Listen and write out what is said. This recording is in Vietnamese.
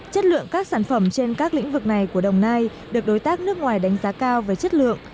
chất lượng các sản phẩm trên các lĩnh vực này của đồng nai được đối tác nước ngoài đánh giá cao về chất lượng